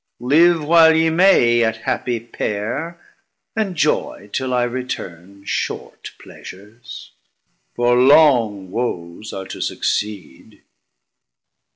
Live while ye may, Yet happie pair; enjoy, till I return, Short pleasures, for long woes are to succeed.